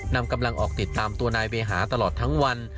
นำกำลังออกติดตามตัวนายเวหาตลอดทั้งวัน